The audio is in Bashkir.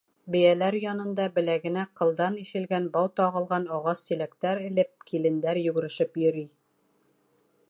Бейәләр янында, беләгенә ҡылдан ишелгән бау тағылған ағас силәктәр элеп, килендәр йүгерешеп йөрөй.